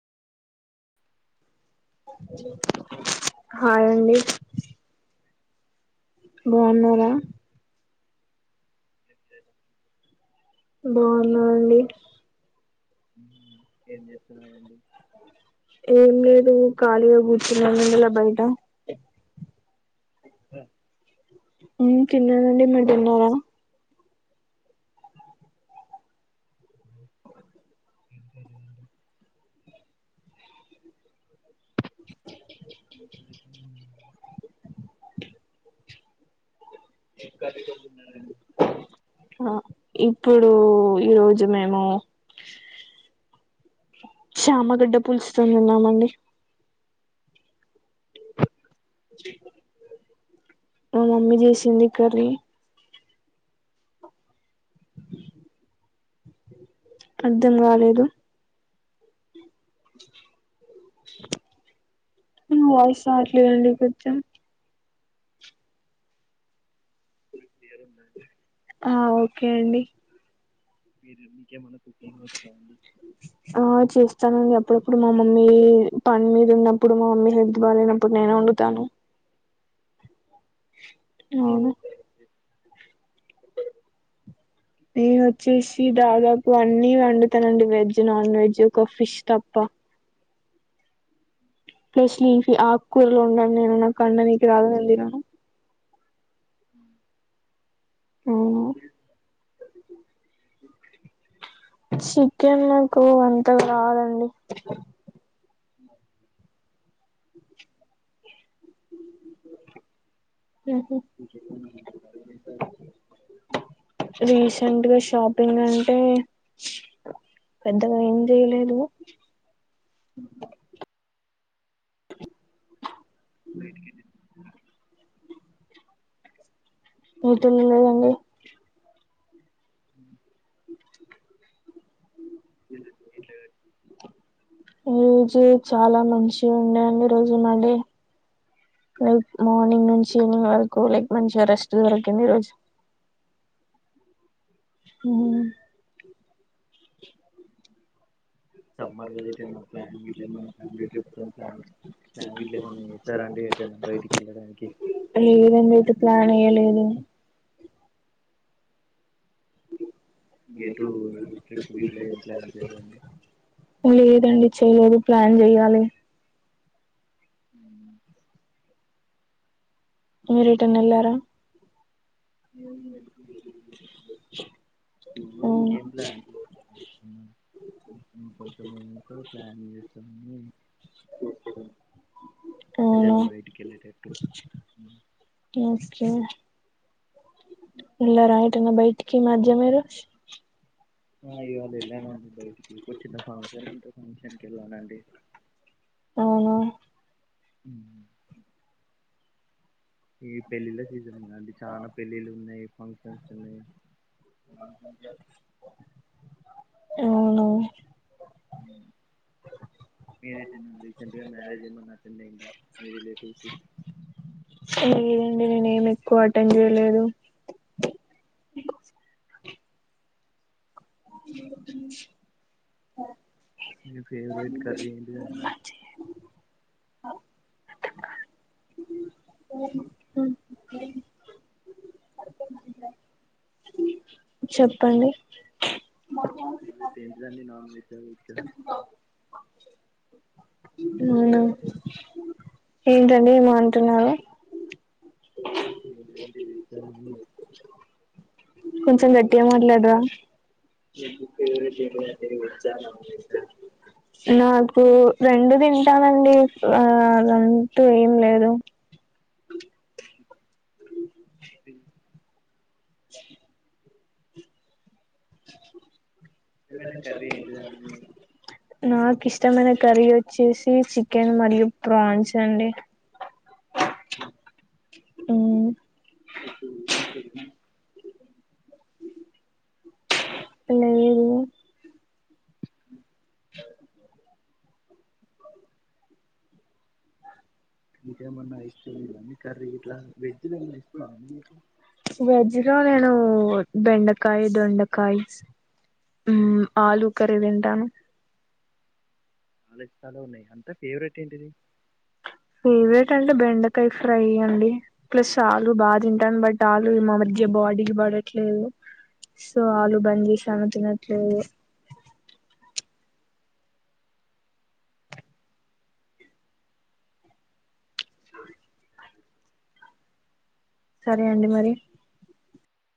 Hi అండి. బావున్నారా. [inaudible] బావున్నానండి. ఉహ్ ఏం చెస్తున్నారండి. హ్ ఖాళిగా గుర్చున్నాం ఎండలా బయట. అ హ్ తిన్ననండి. మీరు తిన్నారా? ఇంకా తిన [inaudible] ఈ పరిచయం పరిచయం ఉన్నారండి. ఆ ఇప్పుడు ఈరోజు మేము శ్యామగడ్డ పులుచుతో తిన్నామండి మా మమ్మీ చేసింది కర్రీ అర్ధం కాలేదు వాయిస్ రావట్లేదు అండి కొంచెం మీ పేరు ఉందా అండి ఆ ఓకే అండి మీరు మీకు ఏమన్నా కుకింగ్ వచ్చా అండి స్తానండి అప్పుడప్పుడు మా మమ్మీ పని మీద ఉన్నప్పుడు మా మమ్మీ హెల్త్ బాలేనప్పుడు నేనే వండుతాను ఉమ్ అవును ఇ నేను వచ్చేసి దాదాపు అన్ని వండుతానండి వెజ్ నాన్ వెజ్ ఒక ఫిష్ తప్ప ఫెష్లీ ఆకుకూరలు వండను నేను నాకి వండనీకి రాదు నేను తినను ఉమ్ ఉమ్ చికెన్ నాకు అంత రాదండి ఉహూ ఓ రీసెంట్ గా షాపింగ్ అంటే పెద్దగా ఏం చేయలేదు బయటికి అయితే పోతలేదండీ ఉమ్ [unintelligible] ఈ రోజు చాలా మంచిగా ఉండేయండి రోజు మండే లైక్ మార్నింగ్ నుంచి ఈవినింగ్ వరకు లైక్ మంచిగా రెస్ట్ దొరికింది ఈ రోజు ఉమ్ సమ్మర్ కదా ఎటైనా ప్లాన్ గిట్ల ఏమన్నా ఫ్యామిలీ ట్రిప్తో ప్లాన్ ప్లాన్ గిట్ల ఏమన్నా చేశారా అండి ఎటైనా బయటికి వెళ్ళడానికి లేదండి అయితే ప్లాన్ వెయ్యలేదు గేటు ట్రిప్ గిట్ల ఏం ప్లాన్ చేయాలండి లేదండి లేదు ప్లాన్ చేయాలి ఉమ్ మీరు ఎటైనా వెళ్ళారా ఉమ్ అవును ఇంకేం ప్లాన్ ఉమ్ ఇంకొన్ని మనతో ప్లాన్ చే ఉమ్ అవునా ఎటైనా బయటికి వెళ్ళేటట్టు ఓకే ఎల్లారా ఎటైనా బయటికి ఈ మధ్య మీరు ఆ ఇవాళ వెళ్ళామండి బయటకి ఒక చిన్న ఫంక్షన్ ఉంటే ఫంక్షన్ కి కెళ్ళనండి అవునా ఉమ్ ఈ పెళ్లిళ్ల సీజన్ కదండీ చాలా పెళ్లిళ్లు ఉన్నాయి ఫంక్షన్ న్నాయి అవునా ఉమ్ మీరు రీసెంట్ రీసెంట్ గా మ్యారేజ్ ఏమన్నా అటెండ్ అయిందా మీరు రిలేటివ్స్థీ? కాటన్ చేయలేదు మీ ఫేవరెట్ కర్రీ ఏంటిదండి? ఆ చెప్పండి విత్ ఏంటండి నాన్ వెజ్ చెయ్వచ్చా ఉమ్ ఏంటండీ ఏమో అంటున్నారు? అంటిదిఅంటే [unintelligible] కొంచెం గట్టిగా మాట్లాడరా. ఎ తెరుగా వెజ్జా తరు వచ్చా నాకు రెండు తింటానండి ఆ అంతా ఏం లేదు తీన్ చి ఇష్టమైన కర్రీ ఏంటిదండి మీరు నాక్ ఇష్ ఇష్టమైన కర్రీ వచ్చేసి చికెన్ మరియు ప్రాన్స్ అండి. ఉమ్ లేదు ఇంకేమన్నా ఇష్టం ఉందా అండి కర్రీ గిట్ల వెజ్ లేమన్నా ఇష్టం అండి మీకు? జర నేను బెండకాయ్ దొండకాయ్ ఉమ్ ఆలూ క ఇవి తింటాను లేఖలు ఉన్నాయ్ అంటే ఫేవరెట్ ఏంటిది? ఫేవరెట్ అంటే బెండకాయ్ ఫ్రై అండి. ప్లస్ ఆలు బాగా తింటాను బట్ ఆలు నా మధ్య బాడీకి పడట్లేదు. సో అల్లు బంజేసాను తినుడ్ క్లే సరే అండి మరి